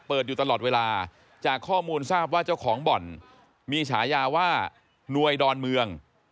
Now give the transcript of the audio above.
อยู่ตลอดเวลาจากข้อมูลทราบว่าเจ้าของบ่อนมีฉายาว่าหน่วยดอนเมือง